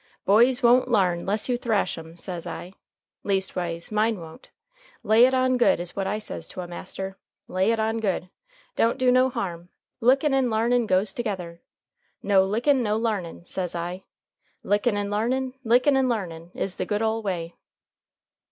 Boys won't l'arn 'less you thrash 'em, says I. Leastways, mine won't. Lay it on good is what I says to a master. Lay it on good. Don't do no harm. Lickin' and l'arnin' goes together. No lickin', no l'arnin', says I. Lickin' and l'arnin,' lickin' and larnin', is the good ole way."